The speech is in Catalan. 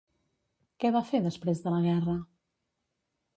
Què va fer després de la guerra?